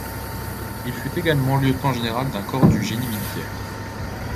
Il fut également lieutenant-général d'un corps du génie militaire.